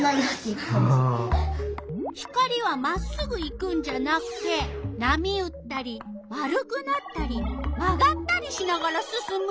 光はまっすぐ行くんじゃなくてなみうったり丸くなったりまがったりしながらすすむ！？